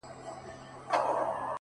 خو زه؛